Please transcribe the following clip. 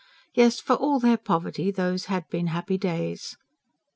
Yes, for all their poverty, those had been happy days.